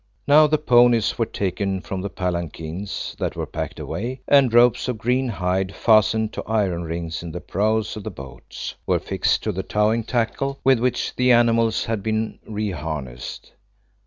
Now the ponies were taken from the palanquins, that were packed away, and ropes of green hide, fastened to iron rings in the prows of the boats, were fixed to the towing tackle with which the animals had been reharnessed.